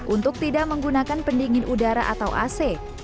untuk tidak menggunakan pendingin udara atau ac